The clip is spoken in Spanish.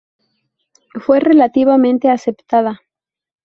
Fue relativamente aceptada.